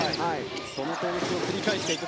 その攻撃を繰り返していく。